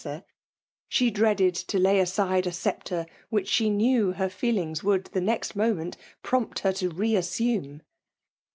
(O8sor)> she dreaded to lay aside a sceptre which she knew her feelings would tho neit jBooment prompt her to re ^asBume